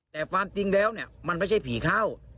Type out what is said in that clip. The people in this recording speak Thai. แต่ความจริงแล้วเนี่ยมันไม่ใช่ผีเข้า